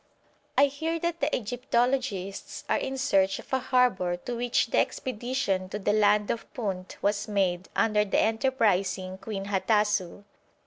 I hear that the Egyptologists are in search of a harbour to which the expedition to the land of Punt was made under the enterprising Queen Hatasou.